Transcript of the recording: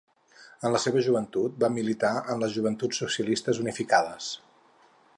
En la seva joventut va militar en les Joventuts Socialistes Unificades.